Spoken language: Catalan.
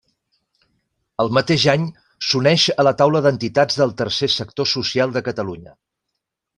El mateix any s'uneix a la Taula d'entitats del Tercer Sector Social de Catalunya.